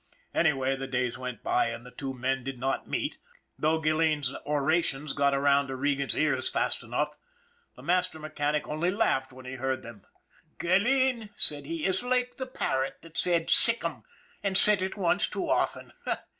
Anyway, the days went by and the two men did not meet, though Gilleen's orations got around to Regan's ears fast enough. The master mechanic only laughed when he heard them. "Gilleen," said he, "is like the parrot that said ' sic 'em !' and said it once too often.